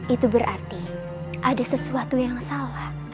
itu berarti ada sesuatu yang salah